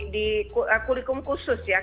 di kurikulum khusus ya